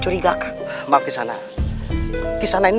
rai rara santan